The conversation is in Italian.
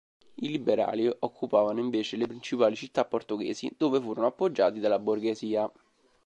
I liberali occupavano invece le principali città portoghesi, dove furono appoggiati dalla borghesia.